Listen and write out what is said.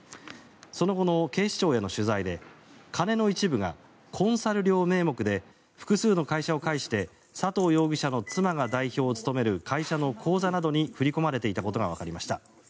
その後の警視庁への取材で金の一部がコンサル料名目で複数の会社を介して佐藤容疑者の妻が代表を務める会社の口座などに振り込まれていたことがわかりました。